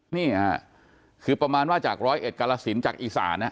นี่ค่ะคือประมาณว่าจากร้อยเอ็ดกาลสินจากอีสานนะ